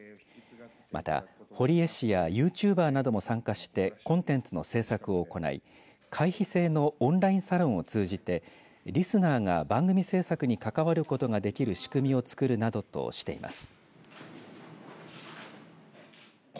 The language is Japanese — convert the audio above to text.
また堀江氏やユーチューバーなども参加してコンテンツの制作を行い会費制のオンラインサロンを通じてリスナーが番組制作に関わることができる仕組みを作るなどとしています。